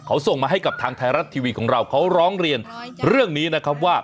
เขาส่งมาให้กับทางไทยรัฐทีวีของเราเขาร้องเรียนเรื่องนี้นะครับว่า